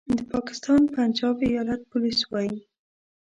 د پاکستان پنجاب ایالت پولیس وايي